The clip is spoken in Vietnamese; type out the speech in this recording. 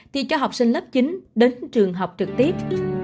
thì cho học sinh lớp chín đến trường học trực tiếp